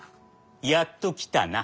やっと来たな。